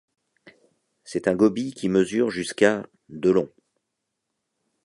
C'est un gobie qui mesure jusqu'à de long.